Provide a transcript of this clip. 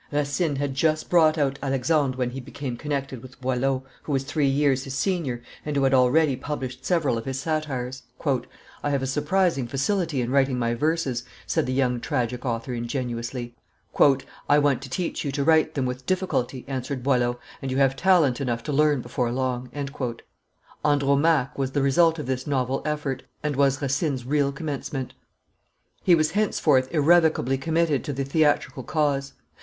Racine had just brought out Alexandre when he became connected with Boileau, who was three years his senior, and who had already published several of his satires. "I have a surprising facility in writing my verses," said the young tragic author ingenuously. "I want to teach you to write them with difficulty," answered Boileau, "and you have talent enough to learn before long." Andromaque was the result of this novel effort, and was Racine's real commencement. He was henceforth irrevocably committed to the theatrical cause.